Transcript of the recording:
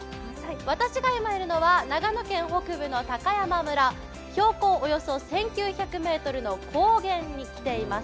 私が今いるのは長野県北部の高山村、標高およそ１９００ｍの高原に来ています。